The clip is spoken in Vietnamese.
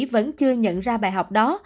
vẫn chưa nhận ra bài học đó